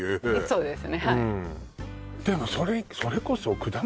そうです